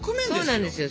そうなんですよ